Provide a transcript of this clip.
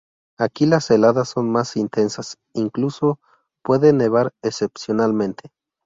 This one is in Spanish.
Aquí las heladas son más intensas, incluso puede nevar excepcionalmente.